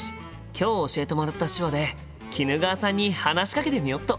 今日教えてもらった手話で衣川さんに話しかけてみよっと！